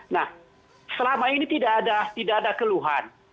nah selama ini tidak ada tidak ada keluhan